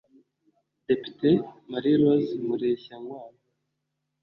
Depite Marie Rose Mureshyankwano